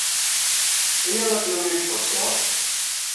Iyya ad t-nemlil deg teɣsert.